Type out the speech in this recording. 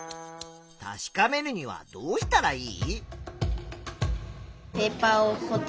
確かめるにはどうしたらいい？